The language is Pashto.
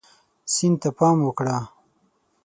سیند ته پام وکړه.